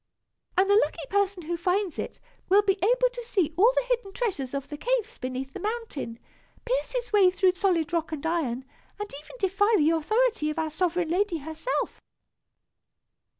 And the lucky person who finds it, will be able to see all the hidden treasures of the caves beneath the mountain, pierce his way through solid rock and iron, and even defy the authority of our Sovereign Lady herself!"